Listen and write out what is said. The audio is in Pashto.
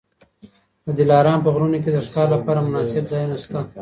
د دلارام په غرونو کي د ښکار لپاره مناسب ځایونه سته.